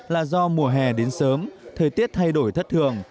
là do mùa hè đến sớm thời tiết thay đổi thất thường